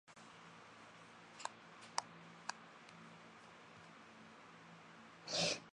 正在建设中的项目是中国政府批准的六项国家风力发电大型项目之一。